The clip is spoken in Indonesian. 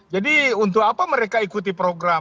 jadi untuk apa mereka ikuti program